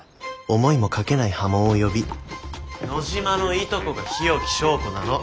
思いもかけない波紋を呼び野嶋のいとこが日置昭子なの。